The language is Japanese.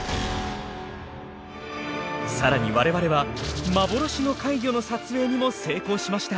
更に我々は幻の怪魚の撮影にも成功しました。